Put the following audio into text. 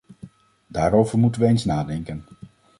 Daarover moeten we eens nadenken.